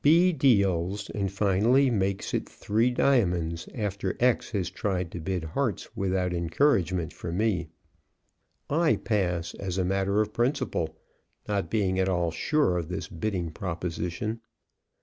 B deals, and finally makes it three diamonds, after X has tried to bid hearts without encouragement from me. I pass as a matter of principle, not being at all sure of this bidding proposition.